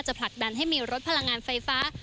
ผลักดันให้มีรถพลังงานไฟฟ้า